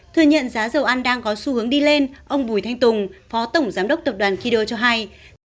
thừa nhận giá dầu ăn đang có xu hướng đi lên ông bùi thanh tùng phó tổng giám đốc tập đoàn kido cho hay